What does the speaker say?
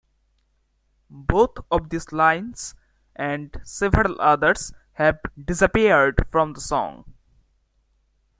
Both of these lines, and several others, have disappeared from the song.